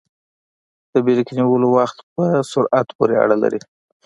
د بریک نیولو وخت په سرعت پورې اړه لري